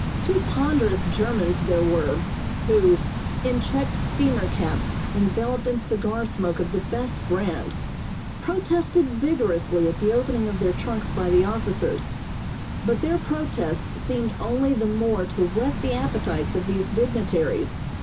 ] Two ponderous Germans there were, who, in checked steamer caps enveloped in cigar smoke of the best brand, protested vigorously at the opening of their trunks by the officers, but their protests seemed only the more to whet the appetites of these dignitaries.